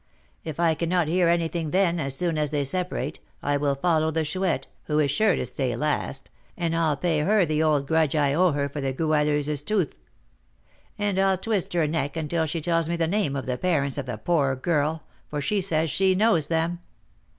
If I cannot hear anything, then, as soon as they separate, I will follow the Chouette, who is sure to stay last, and I'll pay her the old grudge I owe her for the Goualeuse's tooth; and I'll twist her neck until she tells me the name of the parents of the poor girl, for she says she knows them.